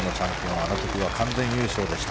あの時は、完全優勝でした。